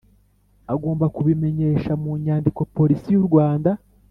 agomba kubimenyesha mu nyandiko Polisi y urwanda